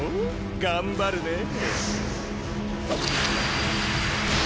頑張るねぇ。